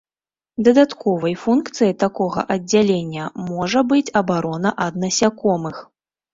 Дадатковай функцыяй такога аддзялення можа быць абарона ад насякомых.